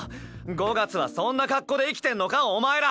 ５月はそんな格好で生きてんのかお前ら！